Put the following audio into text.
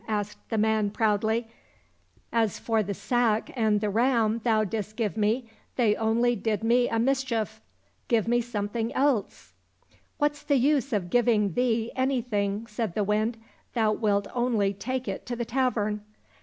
" asked the man proudly ;*' as for the sack and the ram thou didst give me, they only did me a mischief ; give me some thing else." —" What's the use of giving thee any thing ?" said the Wind ;*' thou wilt only take it to the tavern.